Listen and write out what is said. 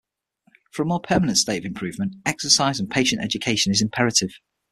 For a more permanent state of improvement, exercise and patient education is imperative.